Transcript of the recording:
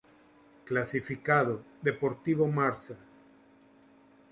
Clasificado: Deportivo Marsa.